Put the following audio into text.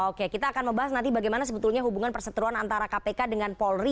oke kita akan membahas nanti bagaimana sebetulnya hubungan perseteruan antara kpk dengan polri